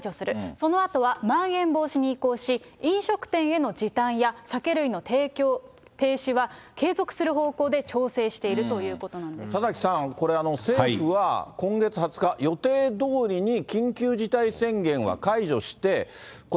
そのあとはまん延防止に移行し、飲食店への時短や酒類の提供停止は継続する方向で調整していると田崎さん、これ、政府は今月２０日、予定どおりに緊急事態宣言は解除して、これ、